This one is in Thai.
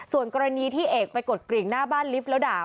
ส่วนกรณีที่เอกไปกดกริ่งหน้าบ้านลิฟต์แล้วด่า